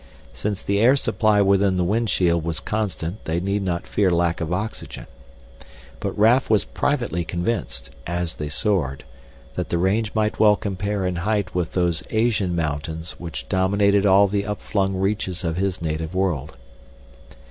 Since the air supply within the windshield was constant they need not fear lack of oxygen. But Raf was privately convinced, as they soared, that the range might well compare in height with those Asian mountains which dominated all the upflung reaches of his native world.